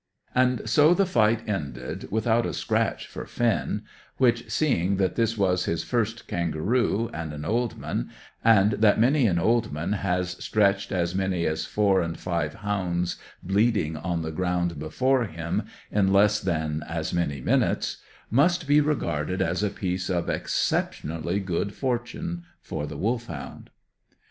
And so the fight ended, without a scratch for Finn; which, seeing that this was his first kangaroo, and an old man, and that many an old man has stretched as many as four and five hounds bleeding on the ground before him in less than as many minutes, must be regarded as a piece of exceptionally good fortune for the Wolfhound.